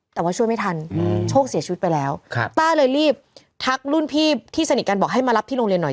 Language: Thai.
แต่ว่าช่วยไม่ทันโชคเสียชีวิตไปแล้วต้าเลยรีบทักรุ่นพี่ที่สนิทกันบอกให้มารับที่โรงเรียนหน่อย